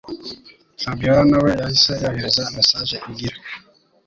Fabiora nawe yahise yohereza message igira